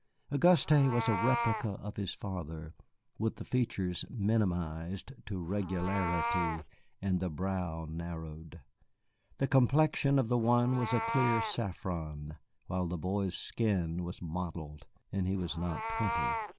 Auguste was a replica of his father, with the features minimized to regularity and the brow narrowed. The complexion of the one was a clear saffron, while the boy's skin was mottled, and he was not twenty.